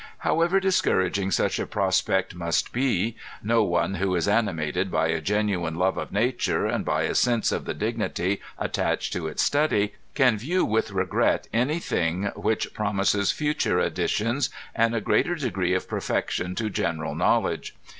However discouraging such a prospect must be, no one who is animated by a genuine love of nature, and by a sense of the dignity attached to its study, can view with regret any thing which promises future addi tions and a greater degree of perfection to general knowledge.